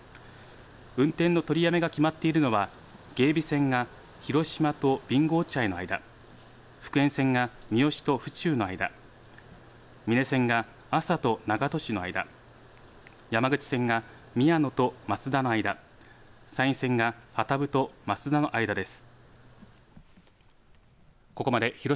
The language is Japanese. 運転の取りやめが決まっているのは芸備線が広島と備後落合の間福塩線が三次と府中の間美祢線が厚狭と長門市の間山口線が宮野と益田の間山陰線があった幡生と益田の間です。